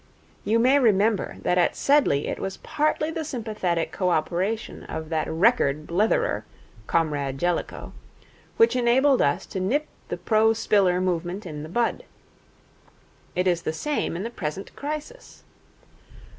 You may remember that at Sedleigh it was partly the sympathetic cooperation of that record blitherer, Comrade Jellicoe, which enabled us to nip the pro Spiller movement in the bud. It is the same in the present crisis.